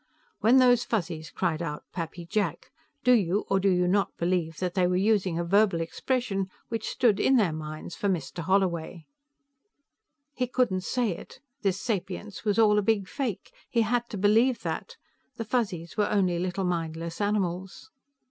When those Fuzzies cried out, 'Pappy Jack!' do you or do you not believe that they were using a verbal expression which stood, in their minds, for Mr. Holloway?" He couldn't say it. This sapience was all a big fake; he had to believe that. The Fuzzies were only little mindless animals.